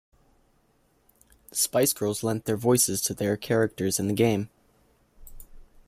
The Spice Girls lent their voices to their characters in the game.